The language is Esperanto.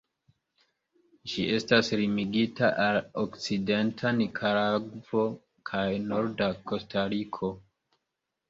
Ĝi estas limigita al okcidenta Nikaragvo kaj norda Kostariko.